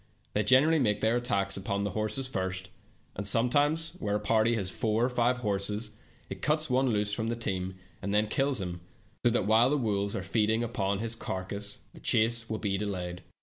They generally make their attacks upon the horses first, and sometimes where a party has four or five horses, it cuts one loose from the team, and then kills him, so that while the wolves are feeding upon his carcass the chase will be delayed.